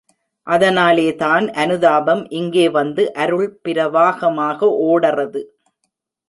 அதனாலேதான் அனுதாபம் இங்கே வந்து அருள் பிரவாகமாக ஓடறது!